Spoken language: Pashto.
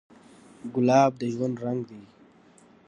ګلاب د ژوند رنګ دی.